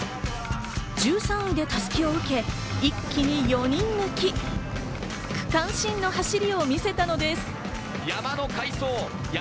１３位で襷を受け、一気に４人抜き、区間新の走りを見せたのです。